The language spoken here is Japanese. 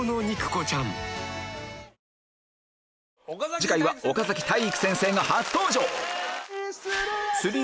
次回は岡崎体育先生が初登場